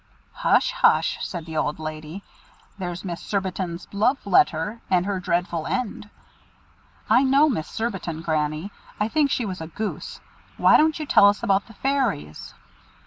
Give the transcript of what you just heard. "Hush! hush!" said the old lady. "There's Miss Surbiton's Love letter, and her Dreadful End." "I know Miss Surbiton, Granny. I think she was a goose. Why don't you tell us about the Fairies?"